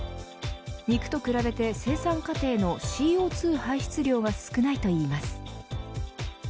肉と比べて生産過程のＣＯ２排出量が少ないといいます。